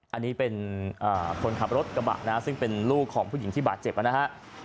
อันนี้เป็นคนขับรถกระบะนะซึ่งเป็นลูกของผู้หญิงที่บาดเจ็บนะฮะ